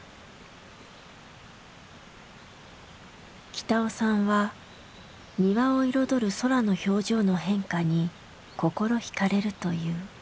北尾さんは庭を彩る空の表情の変化に心ひかれるという。